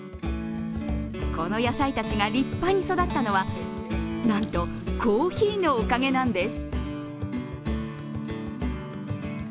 この野菜たちが立派に育ったのは、なんとコーヒーのおかげなんです。